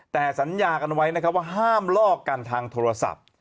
แต่สัญญากันไว้นะครับว่าห้ามลอกกันทางโทรศัพท์